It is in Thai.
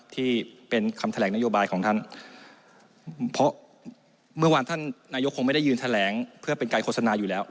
ที่เป็นคำแถลงนโยบายของท่านเพราะเมื่อวานท่านนายกคงไม่ได้ยืนแถลงเพื่อเป็นการโฆษณาอยู่แล้ว